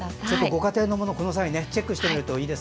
ご家庭のもの、この際チェックしてください。